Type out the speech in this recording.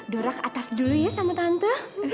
dora ke atas dulu ya sama tante